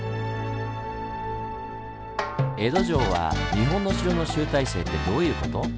「江戸城は日本の城の集大成！」ってどういうこと？